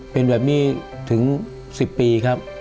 เป็นแบบนี้ถึง๑๐ปีครับ